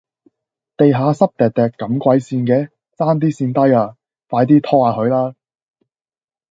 地下濕漉漉咁鬼跣嘅，差啲跣低呀，快啲拖吓佢啦